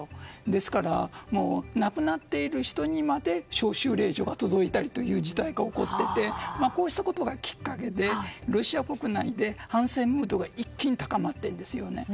ですから亡くなっている人にまで招集令状が届く事態も起こっていてこうしたことがきっかけでロシア国内で反戦ムードが一気に高まっています。